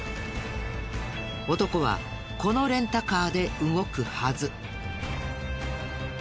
男はこのレンタカーで動くはず。